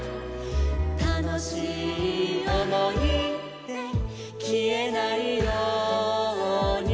「たのしいおもいできえないように」